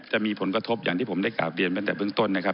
จะมีผลกระทบอย่างที่ผมได้กราบเรียนเพิ่มต้นนะครับ